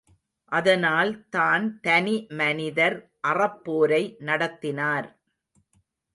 அதனால் தான் தனி மனிதர் அறப்போரை நடத்தினார்.